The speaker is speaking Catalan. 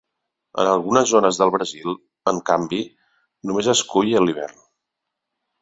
En algunes zones del Brasil, en canvi, només es cull a l'hivern.